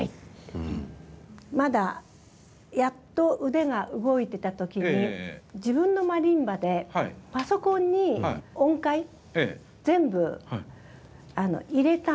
まだやっと腕が動いていたときに自分のマリンバでパソコンに音階音を。